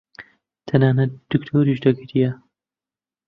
تەنانەت دکتۆریش دەگریا.